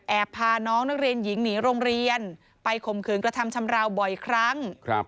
พาน้องนักเรียนหญิงหนีโรงเรียนไปข่มขืนกระทำชำราวบ่อยครั้ง